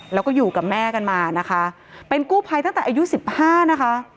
แล้วก็อยู่กับแม่กันมานะคะเป็นกู้ภัยตั้งแต่อายุสิบห้านะคะ